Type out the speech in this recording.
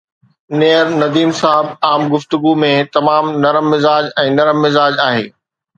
نيئر نديم صاحب عام گفتگو ۾ تمام نرم مزاج ۽ نرم مزاج آهي